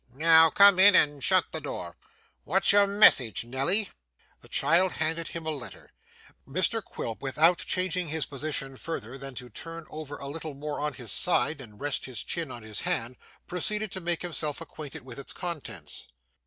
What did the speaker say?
Now, come in and shut the door. What's your message, Nelly?' The child handed him a letter. Mr Quilp, without changing his position further than to turn over a little more on his side and rest his chin on his hand, proceeded to make himself acquainted with its contents.